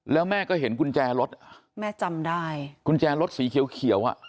แล้วแม่ก็เห็นกุญแจรถแม่จำได้กุญแจรถสีเขียวเขียวอ่ะ